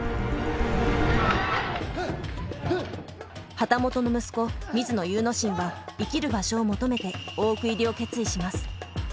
旗本の息子水野祐之進は生きる場所を求めて大奥入りを決意します。